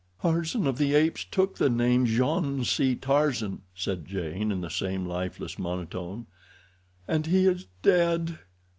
"Tarzan of the Apes took the name Jean C. Tarzan," said Jane, in the same lifeless monotone. "And he is dead!